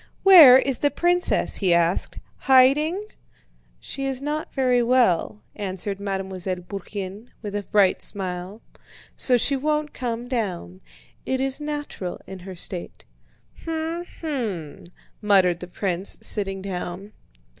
"Where is the princess?" he asked. "Hiding?" "She is not very well," answered Mademoiselle Bourienne with a bright smile, "so she won't come down. It is natural in her state." "Hm! Hm!" muttered the prince, sitting down.